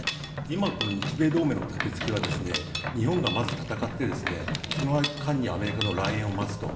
今、日米同盟の建付けは日本がまず戦って、その間にアメリカの来援を待つと。